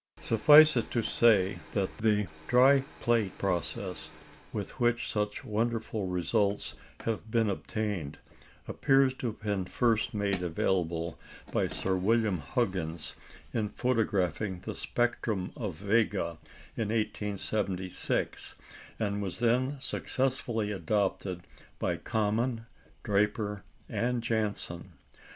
Suffice it to say that the "dry plate" process, with which such wonderful results have been obtained, appears to have been first made available by Sir William Huggins in photographing the spectrum of Vega in 1876, and was then successively adopted by Common, Draper, and Janssen.